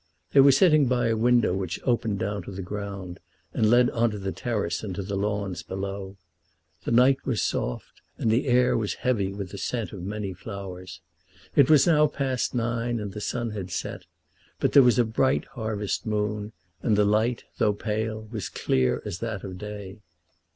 They were sitting by a window which opened down to the ground, and led on to the terrace and to the lawns below. The night was soft, and the air was heavy with the scent of many flowers. It was now past nine, and the sun had set; but there was a bright harvest moon, and the light, though pale, was clear as that of day.